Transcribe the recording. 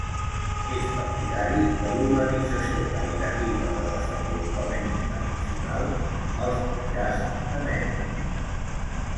És partidari de l'organització caritativa de desenvolupament internacional Els Menjars de Mary.